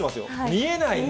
見えない。